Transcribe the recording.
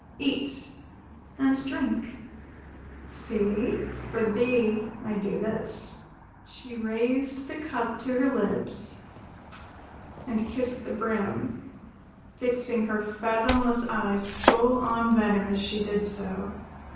Eat and drink. See, for thee I do this." She raised the cup to her lips, and kissed the brim, fixing her fathomless eyes full on Venner as she did so.